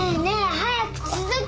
早く続き！